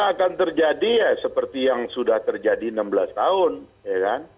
apa yang akan terjadi jika presiden mengeluarkan prpu dalam pandangan abang